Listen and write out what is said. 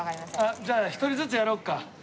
じゃあ１人ずつやろうか。